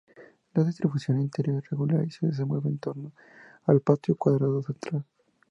La distribución interior es regular y se desenvuelve en torno al patio cuadrado central.